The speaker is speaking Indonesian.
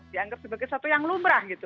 dianggap sebagai sesuatu yang lumrah gitu